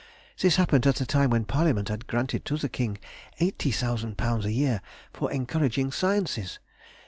This happened at the time when Parliament had granted to the King £80,000 a year for encouraging sciences.